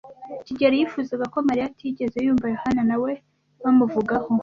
kigeli yifuzaga ko Mariya atigeze yumva Yohana na we bamuvugaho.